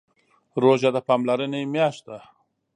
روژه د پاملرنې میاشت ده.